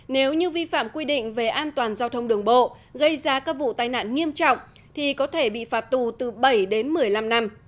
nếu như vi phạm quy định về an toàn giao thông đường bộ gây ra các vụ tai nạn nghiêm trọng thì có thể bị phạt tù từ bảy đến một mươi năm năm